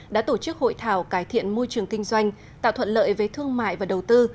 đã tổ chức hội thảo cải thiện môi trường kinh doanh tạo thuận lợi với thương mại và đầu tư